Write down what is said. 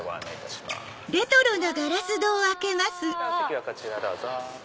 お席こちらどうぞ。